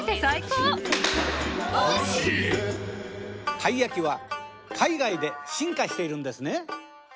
たい焼きは海外で進化しているんですね。